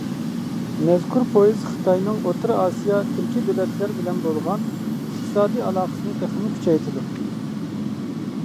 مەزكۇر پويىز خىتاينىڭ ئوتتۇرا ئاسىيا تۈركى دۆلەتلەر بىلەن بولغان ئىقتىسادى ئالاقىسىنى تېخىمۇ كۈچەيتىدۇ.